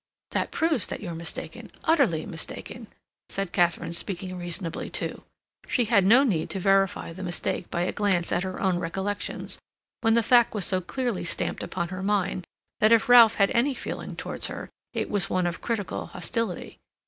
"That proves that you're mistaken—utterly mistaken," said Katharine, speaking reasonably, too. She had no need to verify the mistake by a glance at her own recollections, when the fact was so clearly stamped upon her mind that if Ralph had any feeling towards her it was one of critical hostility.